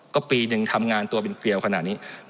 ก็ปีหนึ่งทำงานตัวเป็นเกลียวขนาดนี้